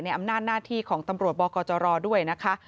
อำนาจหน้าที่ของตำรวจบกจรด้วยนะคะ